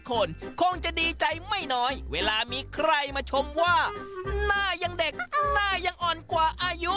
คนคงจะดีใจไม่น้อยเวลามีใครมาชมว่าหน้ายังเด็กหน้ายังอ่อนกว่าอายุ